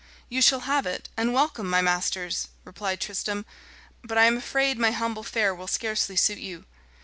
"You shall have it, and welcome, my masters," replied Tristram, "but I am afraid my humble fare will scarcely suit you."